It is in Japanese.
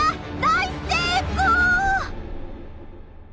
大成功！